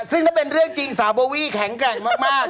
ซึ่งถ้าเป็นเรื่องจริงสาวโบวี่แข็งแกร่งมาก